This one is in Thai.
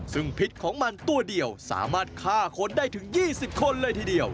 ซึ่งพิษของมันตัวเดียวสามารถฆ่าคนได้ถึง๒๐คนเลยทีเดียว